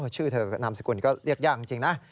ชื่อเธอนามสกุลก็เรียกยากจริงนะ